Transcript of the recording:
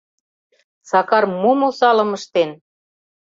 Сакар мом осалым ыштен?